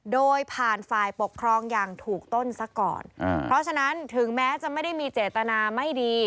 โดยผ่านฝ่ายปกครองอย่างถูกต้นซะก่อนอ่าเพราะฉะนั้นถึงแม้จะไม่ได้มีเจตนาไม่ดี